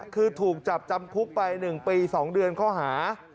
คือถูกจับจำคุกไป๑ปี๒เดือนข้อหา